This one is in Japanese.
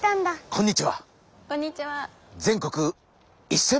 こんにちは。